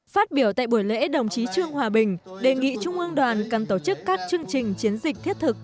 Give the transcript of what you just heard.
phát biểu tại buổi lễ đồng chí trương hòa bình đề nghị trung ương đoàn cần tổ chức các chương trình chiến dịch thiết thực